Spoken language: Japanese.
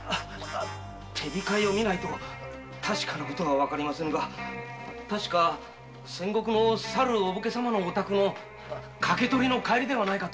手控えを見ないと確かなことはわかりませんが千石のさるお武家様のお宅の掛け取りの帰りではないかと。